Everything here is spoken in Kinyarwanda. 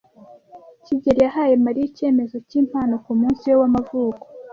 kigeli yahaye Mariya icyemezo cyimpano kumunsi we w'amavuko.